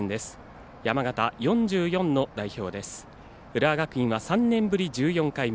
浦和学院は３年ぶり１４回目。